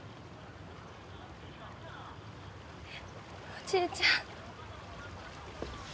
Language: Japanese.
おじいちゃん。